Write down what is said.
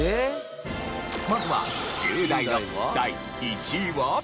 まずは１０代の第１位は。